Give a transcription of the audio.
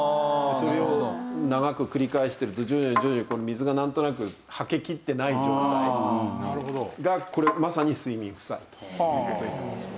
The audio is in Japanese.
それを長く繰り返してると徐々に徐々に水がなんとなくはけきってない状態がまさに睡眠負債という事になります。